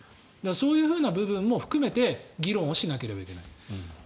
そういう部分も含めて議論をしなければいけない。